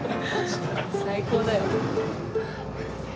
最高だよ。